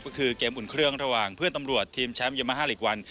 ก็คือเกมอุ่นเครื่องระหว่างเพื่อนตำรวจทีมแชมป์เยมาฮาลีกวัน